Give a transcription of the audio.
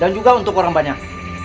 juga untuk orang banyak